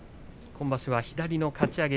今場所は左のかち上げ